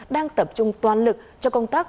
đang tập trung toàn lực cho công tác